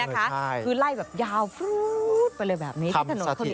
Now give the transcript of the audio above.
คือไล่แบบยาวไปเลยแบบนี้ที่ถนนข้าวเหนียว